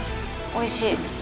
おいしい。